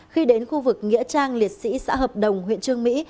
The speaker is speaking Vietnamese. khi đến khu vực nghĩa trang liệt sĩ xã hợp đồng huyện trương mỹ